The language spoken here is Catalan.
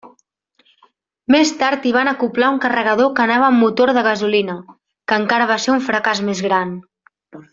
Més tard hi van acoblar un carregador que anava amb motor de gasolina, que encara va ser un fracàs més gran.